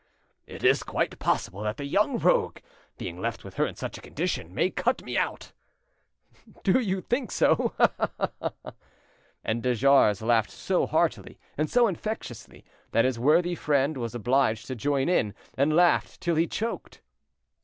ha!" "It's quite possible that the young rogue, being left with her in such a condition, may cut me out." "Do you think so?—Ha! ha! ha!" And de Jars laughed so heartily and so infectiously that his worthy friend was obliged to join in, and laughed till he choked.